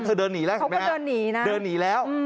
เธอเดินหนีแล้วใช่ไหมเขาก็เดินหนีนะเดินหนีแล้ว